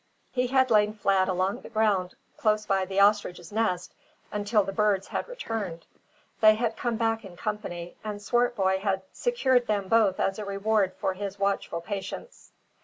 He had lain flat along the ground close by the ostrich's nest until the birds had returned. They had come back in company, and Swartboy had secured them both as a reward for his watchful patience.